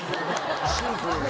シンプルでな。